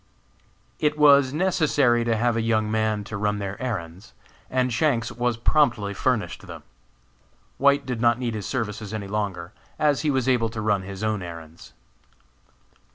It was necessary to have a young man to run their errands, and Shanks was promptly furnished them. White did not need his services any longer, as he was able to run his own errands.